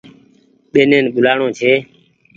ٻينين ٻولآڻو ڇي